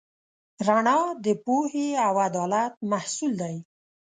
رڼا د پوهې او عدالت محصول دی.